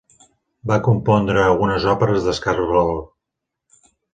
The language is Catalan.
Va compondre algunes òperes d'escàs valor.